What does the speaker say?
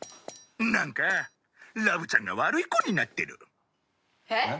「なんかラブちゃんが悪い子になってる」えっ？